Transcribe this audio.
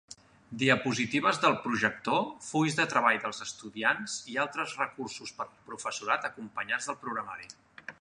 Diapositives del projector, fulls de treball dels estudiants i altres recursos per al professorat acompanyats del programari.